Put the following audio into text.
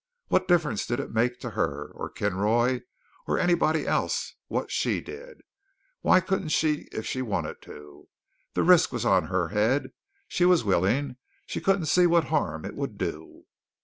What difference did it make to her, or Kinroy, or anybody anywhere what she did? Why couldn't she if she wanted to? The risk was on her head. She was willing. She couldn't see what harm it would do.